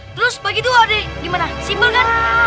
terus bagi dua deh gimana simpel kan